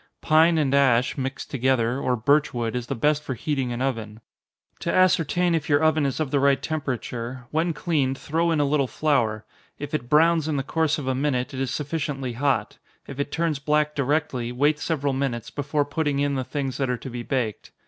Pine and ash, mixed together, or birch wood, is the best for heating an oven. To ascertain if your oven is of the right temperature, when cleaned, throw in a little flour; if it browns in the course of a minute, it is sufficiently hot; if it turns black directly, wait several minutes, before putting in the things that are to be baked.